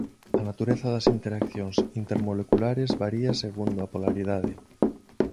A natureza das interaccións intermoleculares varía segundo a polaridade.